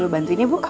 lu bantuin ya bu